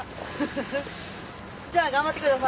じゃあ頑張って下さい。